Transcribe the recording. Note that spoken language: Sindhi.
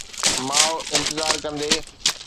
ماءُ انتظار ڪندي